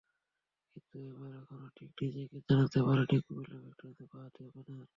কিন্তু এবার এখনো ঠিক নিজেকে চেনাতে পারেননি কুমিল্লা ভিক্টোরিয়ানসের বাঁহাতি ওপেনার।